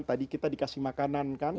tadi kita dikasih makanan kan